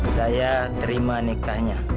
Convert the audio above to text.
saya terima nikahnya